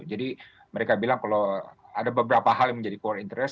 jadi mereka bilang kalau ada beberapa hal yang menjadi core interest